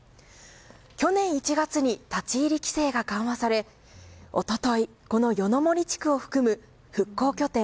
去年１月に立ち入り規制が緩和され一昨日、この夜の森地区を含む復興拠点